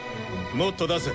もっと出せ。